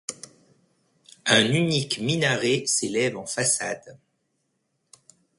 Un unique minaret s'élève en façade.